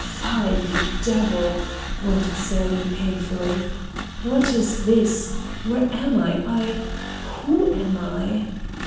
"Fie, you devil!" wondered Sergey, painfully. "What is this? Where am I? I—who am I?"